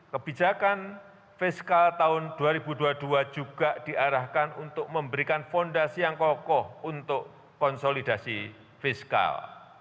kebijakan fiskal tahun dua ribu dua puluh dua juga diarahkan untuk memberikan fondasi yang kokoh untuk konsolidasi fiskal